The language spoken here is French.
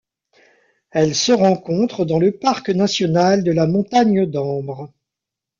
Elle se rencontre dans le parc national de la Montagne d'Ambre.